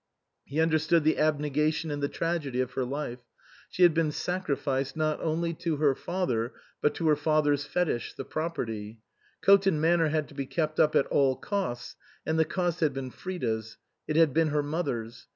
He understood the abnegation and the tragedy of her life. She had been sacrificed, not only to her father, but to her father's fetish, the property ; Coton Manor had to be kept up at all costs, and the cost had been Frida's, it had been her mother's.